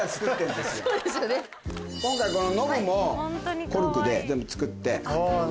今回このノブもコルクで全部作って。